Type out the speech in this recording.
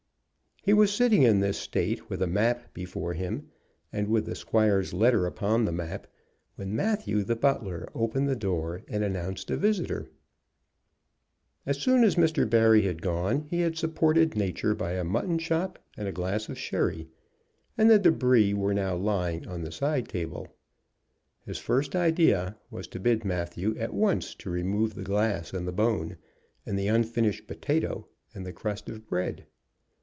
He was sitting in this state with a map before him, and with the squire's letter upon the map, when Matthew, the butler, opened the door and announced a visitor. As soon as Mr. Barry had gone, he had supported nature by a mutton chop and a glass of sherry, and the debris were now lying on the side table. His first idea was to bid Matthew at once remove the glass and the bone, and the unfinished potato and the crust of bread.